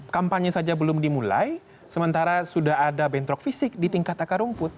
kampanye saja belum dimulai sementara sudah ada bentrok fisik di tingkat akar rumput